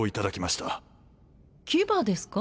牙ですか？